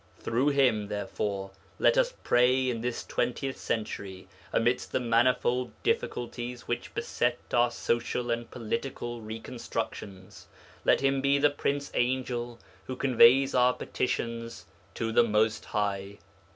Through Him, therefore, let us pray in this twentieth century amidst the manifold difficulties which beset our social and political reconstructions; let Him be the prince angel who conveys our petitions to the Most High.